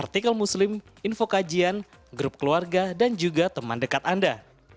artikel muslim info kajian grup keluarga dan juga teman dekat anda